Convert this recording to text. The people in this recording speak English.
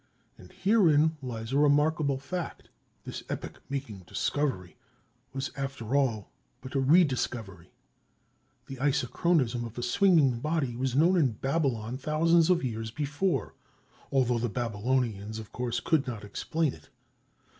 And herein lies a remarkable fact—this epoch making discovery was after all but a rediscovery. The isochronism of a swinging body was known in Babylon thousands of years before, although the Babylonians, of course, could not explain it.